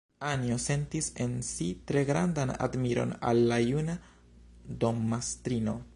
Anjo sentis en si tre grandan admiron al la juna dommastrino.